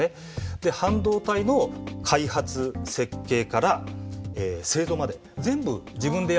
で半導体の開発・設計から製造まで全部自分でやりますって。